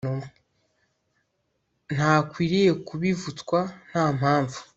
Ntakwiriye kubivutswa nta mpamvu